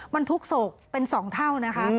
มันทุกข์โศกเป็น๒เท่านะคะ